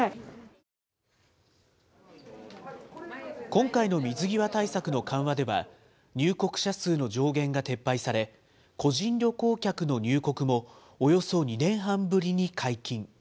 今回の水際対策の緩和では、入国者数の上限が撤廃され、個人旅行客の入国も、およそ２年半ぶりに解禁。